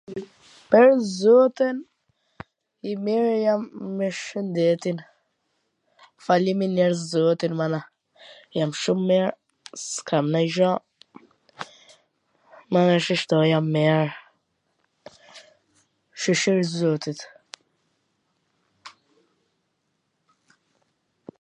pwr zotin, i miri jam me shwndetin, faleminer zotin mana, jam shum mir, s kam nanj gjo, mana shishto jam mir, shyCyr zotit